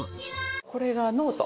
これがノート。